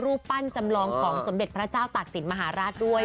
รูปปั้นจำลองของสมเด็จพระเจ้าตากศิลปมหาราชด้วย